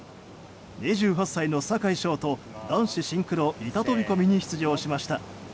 ２８歳の坂井丞と男子シンクロ板飛込に出場しました。